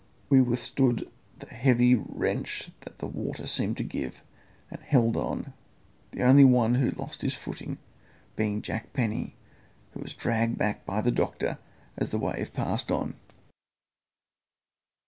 We withstood the heavy wrench that the water seemed to give, and held on, the only one who lost his footing being Jack Penny, who was dragged back by the doctor as the wave passed on.